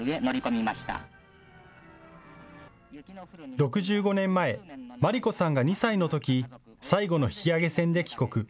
６５年前、真理子さんが２歳のとき、最後の引き揚げ船で帰国。